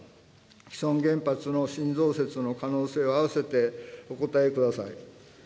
既存原発の新増設の可能性と併せてお答えください。